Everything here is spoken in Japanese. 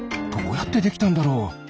どうやってできたんだろう？